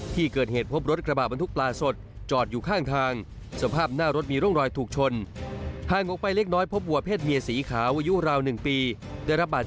ที่เกิดขึ้นครับ